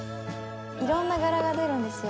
いろんな柄が出るんですよ。